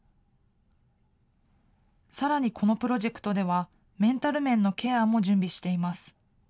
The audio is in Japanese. さらにこのプロジェクトでは、メンタル面のケアも準備しています。